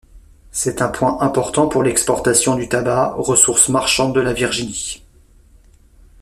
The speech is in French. C'est un point important pour l'exportation du tabac, ressource marchande de la Virginie.